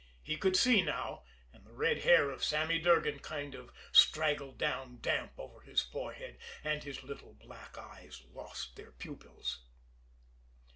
He could see now, and the red hair of Sammy Durgan kind of straggled down damp over his forehead, and his little black eyes lost their pupils.